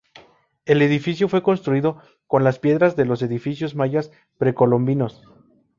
El edificio fue construido con las piedras de los edificios mayas precolombinos.